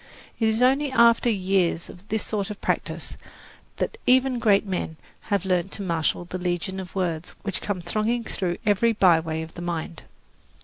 It is only after years of this sort of practice that even great men have learned to marshal the legion of words which come thronging through every byway of the mind.